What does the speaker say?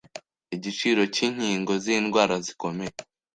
igiciro cy'inkingo z'indwara zikomeye